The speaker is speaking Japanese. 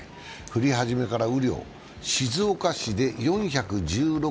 降り始めからの雨量は静岡市で４１６．５ミリ。